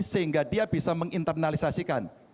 sehingga dia bisa menginternalisasikan